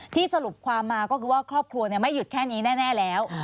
สรุปความมาก็คือว่าครอบครัวไม่หยุดแค่นี้แน่แล้ว